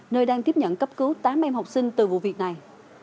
nơi đang tiếp nhận cấp cứu tám em học sinh từ vụ việc này